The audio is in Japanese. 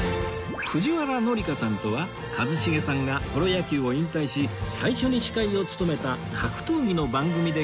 藤原紀香さんとは一茂さんがプロ野球を引退し最初に司会を務めた格闘技の番組で共演